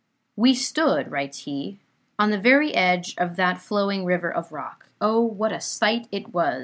"We stood," writes he, "on the very edge of that flowing river of rock. Oh, what a sight it was!